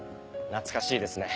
懐かしいですね。